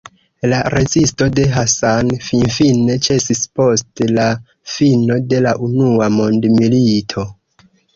La rezisto de Hassan finfine ĉesis post la fino de la Unua Mondmilito.